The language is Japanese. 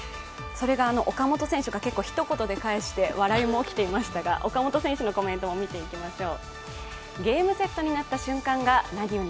岡本選手がひと言で返して笑いも起きていましたが、岡本選手のコメントも見ていきましょう。